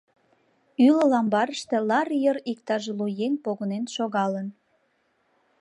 Ӱлыл амбарыште лар йыр иктаж лу еҥ погынен шогалын.